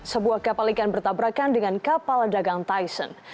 sebuah kapal ikan bertabrakan dengan kapal dagang tyson